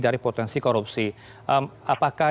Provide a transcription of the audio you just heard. dari potensi korupsi apakah